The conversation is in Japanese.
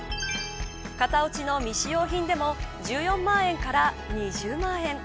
型落ちの未使用品でも１４万円から２０万円。